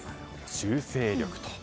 修正力と。